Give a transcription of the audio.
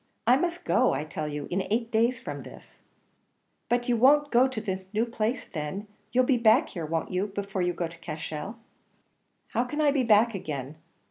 I must go, I tell you, in eight days from this." "But you won't go to this new place then. You'll be back here, won't you, before you go to Cashel?" "How can I be back again?